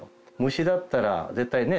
虫だったら絶対ね